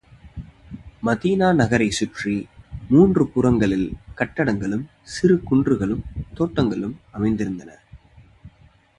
Medina நகரைச் சுற்றி மூன்று புறங்களில் கட்டடங்களும், சிறு குன்றுகளும், தோட்டங்களும் அமைந்திருந்தன.